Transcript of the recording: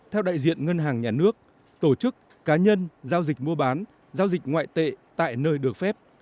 theo đại diện ngân hàng nhà nước tổ chức cá nhân giao dịch mua bán giao dịch ngoại tệ tại nơi được phép